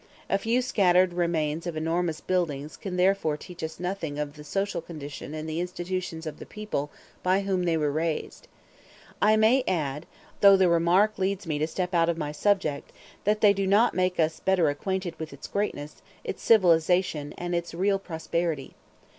A few scattered remains of enormous buildings can therefore teach us nothing of the social condition and the institutions of the people by whom they were raised. I may add, though the remark leads me to step out of my subject, that they do not make us better acquainted with its greatness, its civilization, and its real prosperity.